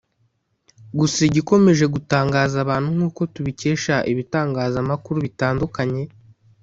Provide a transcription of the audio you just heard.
Gusa igikomeje gutangaza abantu nk’uko tubikesha ibitangazamakuru bitandukanye